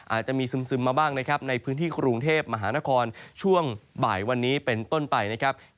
อาจจะมีซึมมาบ้างนะครับในพื้นที่กรุงเทพมหานครช่วงบ่ายวันนี้เป็นต้นไปนะครับ